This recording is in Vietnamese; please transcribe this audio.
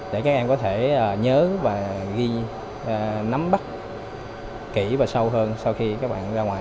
để các em có thể nhớ và ghi nắm bắt kỹ và sâu hơn sau khi các bạn ra ngoài